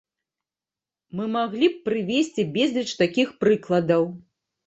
Мы маглі б прывесці безліч такіх прыкладаў.